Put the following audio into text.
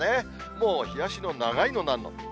もう日ざしの長いのなんの。